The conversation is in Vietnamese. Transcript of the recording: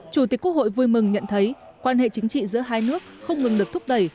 chủ tịch quốc hội vui mừng nhận thấy quan hệ chính trị giữa hai nước không ngừng được thúc đẩy